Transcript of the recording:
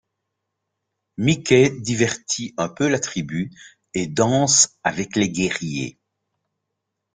Mickey divertit un peu la tribu et danse avec les guerriers.